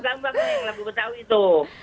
itu lagu lagu yang nama betawi tuh